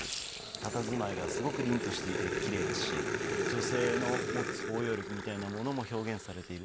たたずまいがすごくりんとしていてきれいですし女性の持つ包容力みたいなものも表現されている。